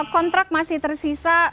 kontrak masih tersisa